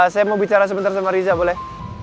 saya mau bicara sebentar sama riza boleh